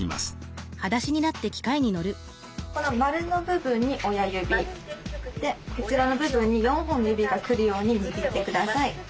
この丸の部分に親指でこちらの部分に４本の指が来るように握ってください。